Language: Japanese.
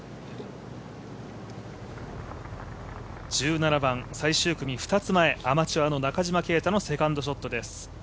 １７番、最終組２つ前アマチュアの中島啓太のセカンドショットです。